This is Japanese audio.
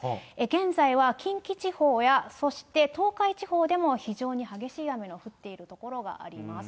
現在は近畿地方や、そして東海地方でも非常に激しい雨が降っている所があります。